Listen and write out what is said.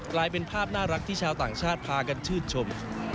กลายเป็นภาพน่ารักที่ชาวต่างชาติพากันชื่นชม